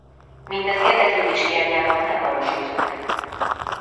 Mindez érdeklődés hiányában nem valósult meg.